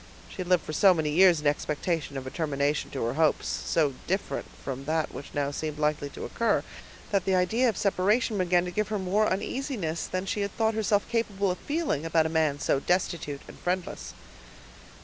She had lived so many years in expectation of a termination to her hopes, so different from that which now seemed likely to occur, that the idea of separation began to give her more uneasiness than she had thought herself capable of feeling, about a man so destitute and friendless.